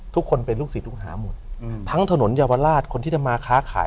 ทุกคนเป็นลูกศิษย์ลูกหาหมดทั้งถนนเยาวราชคนที่จะมาค้าขาย